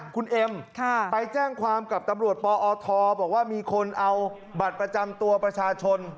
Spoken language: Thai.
คุณเอ็มไปแจ้งความกับตำรวจปอทบอกว่ามีคนเอาบัตรประจำตัวประชาชน